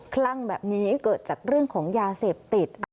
คลั่งแบบนี้เกิดจากเรื่องของยาเสพติด